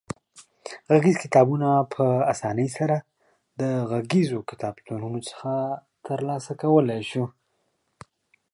غږیز کتابونه په اسانۍ سره د غږیزو کتابتونونو څخه ترلاسه کولای شو.